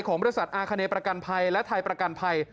ของบริษัทอาคเนประกันภัยและไทยประกันภัย